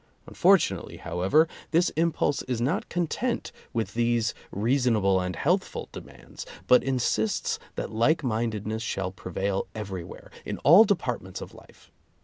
Unfortunately, however, this im pulse is not content with these reasonable and healthful demands, but insists that like minded ness shall prevail everywhere, in all departments of life.